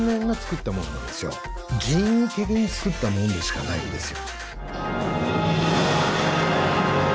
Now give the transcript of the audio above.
人為的に作ったものでしかないんですよ。